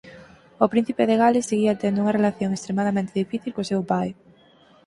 O príncipe de Gales seguía tendo unha relación extremadamente difícil co seu pai.